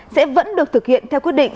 sẽ vẫn được thực hiện theo quyết định